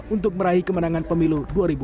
untuk meraih kemenangan pemilu dua ribu dua puluh